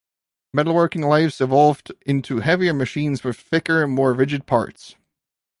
Metalworking lathes evolved into heavier machines with thicker, more rigid parts.